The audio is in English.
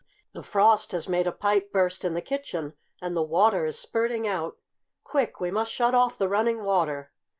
The frost has made a pipe burst in the kitchen and the water is spurting out! Quick! We must shut off the running water!"